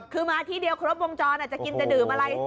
คือมาที่เดียวครบวงจรจะกินจะดื่มอะไร